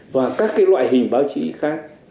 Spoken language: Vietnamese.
và các loại hình báo chí khác